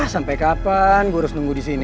sampai kapan gue harus nunggu disini